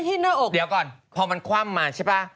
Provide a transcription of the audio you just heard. เดี๋ยวก่อนพอมันคว่ำมาใช่ป่ะ